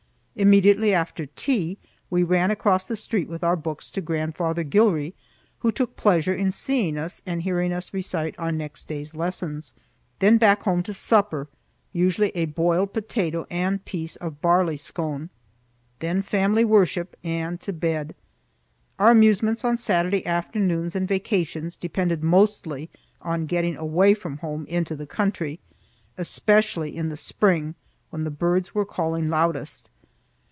Immediately after tea we ran across the street with our books to Grandfather Gilrye, who took pleasure in seeing us and hearing us recite our next day's lessons. Then back home to supper, usually a boiled potato and piece of barley scone. Then family worship, and to bed. Our amusements on Saturday afternoons and vacations depended mostly on getting away from home into the country, especially in the spring when the birds were calling loudest.